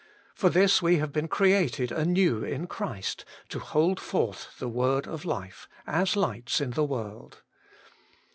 For this we have been created anew in Christ, to hold forth the Word of Life, as lights in the world.